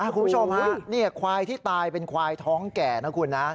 คุณผู้ชมฮะนี่ควายที่ตายเป็นควายท้องแก่นะคุณนะ